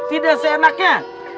di dasar enaknya